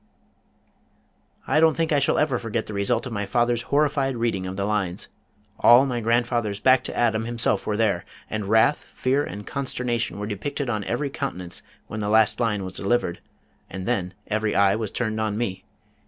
I don't think I shall ever forget the result of my father's horrified reading of the lines. All my grandfathers back to Adam himself were there, and wrath, fear, and consternation were depicted on every countenance when the last line was delivered, and then every eye was turned on me.